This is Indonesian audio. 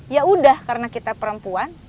ya udah karena kita perempuan